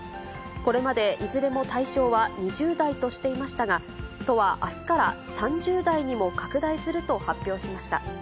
これまでいずれも対象は２０代としていましたが、都はあすから３０代にも拡大すると発表しました。